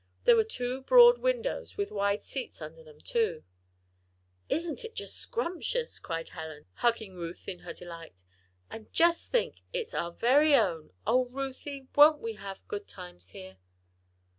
There were two broad windows with wide seats under them, too. "Isn't it just scrumptious?" cried Helen, hugging Ruth in her delight. "And just think it's our very own! Oh, Ruthie! won't we just have good times here?"